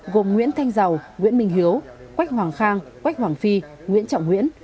gồm nguyễn thanh giàu nguyễn minh hiếu quách hoàng khang quách hoàng phi nguyễn trọng nguyễn